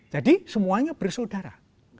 jadi semuanya bersaudara